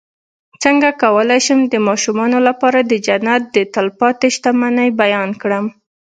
څنګه کولی شم د ماشومانو لپاره د جنت د تل پاتې شتمنۍ بیان کړم